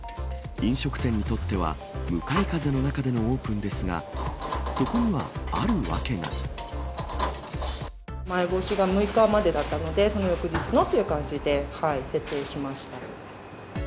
飲食店にとっては、向かい風の中でのオープンですが、そこにはあまん延防止が６日までだったので、その翌日のという感じで、設定しました。